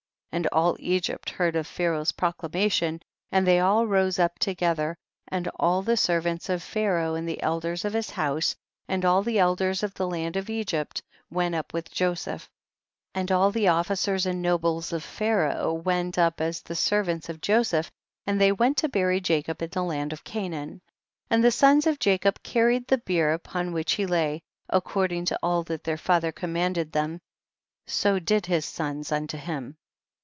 34. And all Egypt heard of Pha raoh's proclamation, and they all rose up together, and all the servants of Pharaoh, and the elders of his house. THE BOOK OF JASHER 183 and all the elders of the land of Egypt went up with Joseph, and all the of ficers and nobles of Pharaoh went up as the servants of Joseph, and ihey went to bury Jacob in the land of Canaan. 35. And the sons of Jacob carried the bier upon which he lay ; accord ing to all that their father commanded them, so did his sons unto him.